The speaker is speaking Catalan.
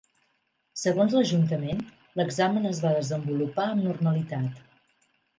Segons l'Ajuntament, l'examen es va desenvolupar amb normalitat.